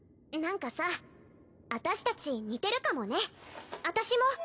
なんかさ私たち似てるかもね私も。